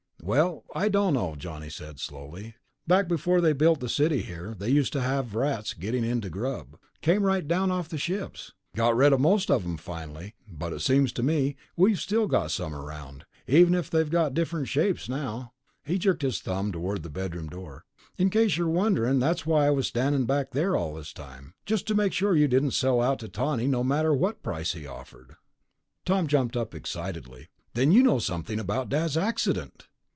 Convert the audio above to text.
"Well, I don't know," Johnny said slowly. "Back before they built the city here, they used to have rats getting into the grub. Came right down off the ships. Got rid of most of them, finally, but it seems to me we've still got some around, even if they've got different shapes now." He jerked his thumb toward the bedroom door. "In case you're wondering, that's why I was standin' back there all this time ... just to make sure you didn't sell out to Tawney no matter what price he offered." Tom jumped up excitedly. "Then you know something about Dad's accident!"